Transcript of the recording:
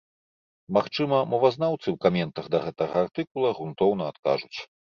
Магчыма, мовазнаўцы ў каментах да гэтага артыкула грунтоўна адкажуць.